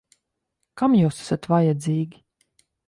Kam jūs esat vajadzīgi?